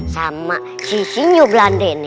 sama si sinyo belanda ini